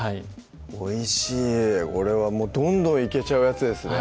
おいしいこれはどんどんいけちゃうやつですね